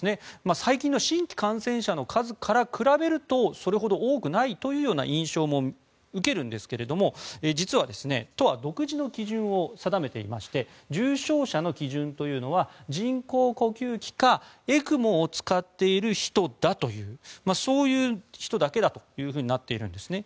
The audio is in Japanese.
最近の新規感染者の数から比べるとそれほど多くないという印象も受けるんですが実は、都は独自の基準を定めていまして重症者の基準というのは人工呼吸器かＥＣＭＯを使っている人だというそういう人だけだとなっているんですね。